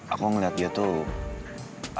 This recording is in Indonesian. aku ngeliat dia tuh